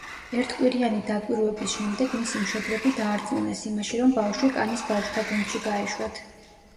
ერთკვირიანი დაკვირვების შემდეგ, მისი მშობლები დაარწმუნეს იმაში, რომ ბავშვი კანის ბავშთა გუნდში გაეშვათ.